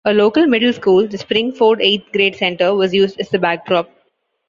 A local middle school, the Spring-Ford Eighth Grade Center, was used as the backdrop.